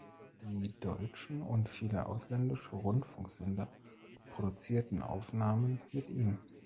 Die deutschen und viele ausländische Rundfunksender produzierten Aufnahmen mit ihm.